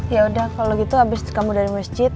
yaudah kalau gitu abis kamu dari masjid